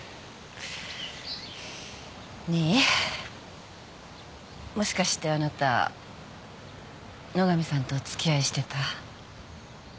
ねえもしかしてあなた野上さんとお付き合いしてた？